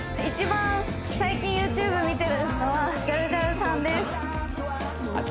最近ＹｏｕＴｕｂｅ見てるのはジャルジャルさんですああ